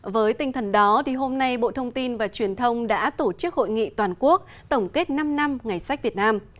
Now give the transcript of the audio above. với tinh thần đó hôm nay bộ thông tin và truyền thông đã tổ chức hội nghị toàn quốc tổng kết năm năm ngày sách việt nam